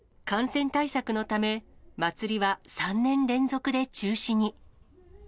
感染対策のため、祭りは３年連続で中止に。